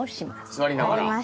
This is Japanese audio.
座りながら。